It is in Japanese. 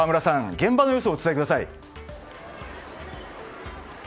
現場の様子をお伝えください。